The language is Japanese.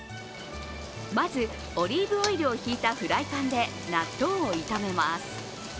まずオリーブオイルをひいたフライパンで納豆を炒めます。